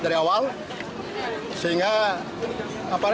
dari awal sehingga